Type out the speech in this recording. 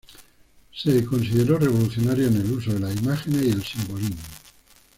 Se consideró revolucionario en el uso de las imágenes y el simbolismo.